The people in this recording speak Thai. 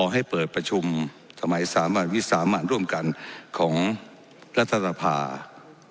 ขอให้เปิดประชุมสมัย๓วัน๒๓วันร่วมกันของรัฐภาคม